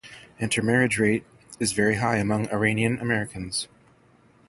Intermarriage rate is very high among Iranian Americans.